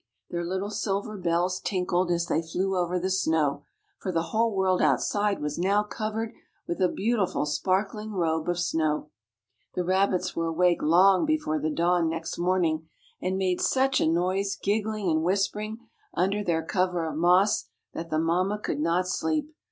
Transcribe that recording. Their little silver bells tinkled as they flew over the snow—for the whole world outside was now covered with a beautiful sparkling robe of snow. The rabbits were awake long before the dawn next morning, and made such a noise, giggling and whispering, under their cover of moss, that the mamma could not sleep.